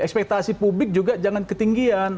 ekspektasi publik juga jangan ketinggian